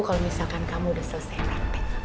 kalau misalkan kamu udah selesai nanti